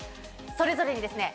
それぞれにですね